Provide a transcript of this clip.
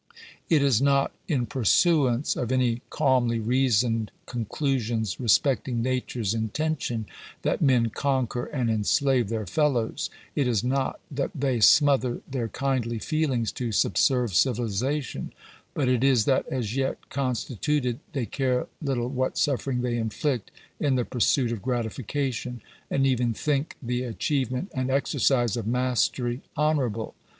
It \. is not in pursuance of any calmly reasoned conclusions respect ; ing nature's intention that men conquer and enslave their fellows — it is not that they smother their kindly feelings to subserve civilization; but it is that as yet constituted they care little what suffering they inflict in the pursuit of gratifica tion, and even think the achievement and exercise of mastery honourable.